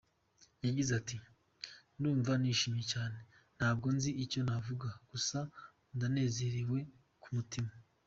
Yagize ati "Ndumva nishimye cyane, ntabwo nzi icyo navuga, gusa ndanezerewe ku mutima.